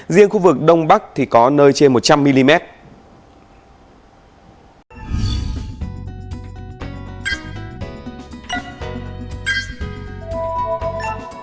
riêng khu vực đông bắc thì có nơi trên một trăm linh mm